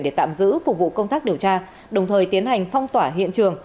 để tạm giữ phục vụ công tác điều tra đồng thời tiến hành phong tỏa hiện trường